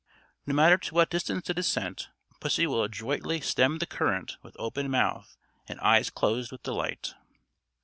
No matter to what distance it is sent, pussy will adroitly stem the current with open mouth, and eyes closed with delight.